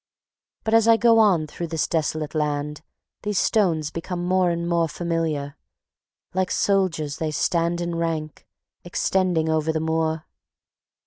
But as I go on through this desolate land these stones become more and more familiar. Like soldiers they stand in rank, extending over the moor.